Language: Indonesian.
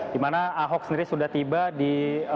dimana ahok sendiri sudah tiba di